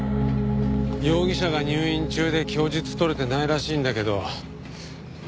容疑者が入院中で供述取れてないらしいんだけどま